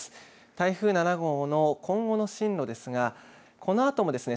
台風７号の今後の進路ですがこのあともですね